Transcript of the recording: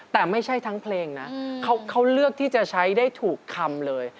แต่ไม่ใช่ทั้งเพลงนะเขาเลือกที่จะใช้ได้ถูกคำเลย